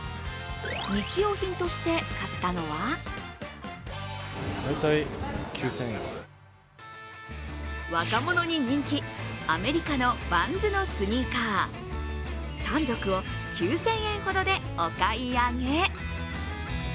日用品として買ったのは若者に人気、アメリカのヴァンズのスニーカー、３足を９０００円ほどでお買い上げ。